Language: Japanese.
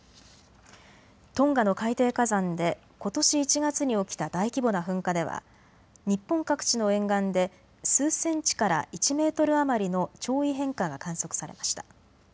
トンガの海底火山でことし１月に起きた大規模な噴火では日本各地の沿岸で数センチから１メートル余りの潮位変化が観測されました。